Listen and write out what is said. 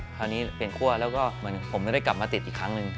คราวนี้เปลี่ยนคั่วแล้วก็เหมือนผมไม่ได้กลับมาติดอีกครั้งหนึ่ง